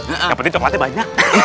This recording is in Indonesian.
yang penting coklatnya banyak